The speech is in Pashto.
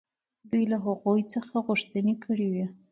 دوی له هغوی څخه غوښتنې کړې وې.